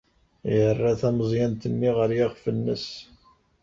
Yerra tameẓyant-nni ɣer yiɣef-nnes.